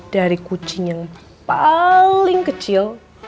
dari kucing yang paling kecil